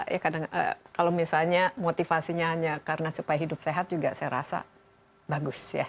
ya kadang kalau misalnya motivasinya hanya karena supaya hidup sehat juga saya rasa bagus ya